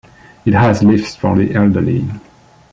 It has lifts for the elderly.